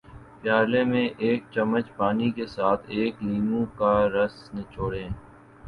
پیالے میں ایک چمچ پانی کے ساتھ ایک لیموں کا رس نچوڑیں